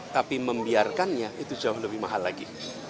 tapi membiarkannya itu jauh lebih mahal lagi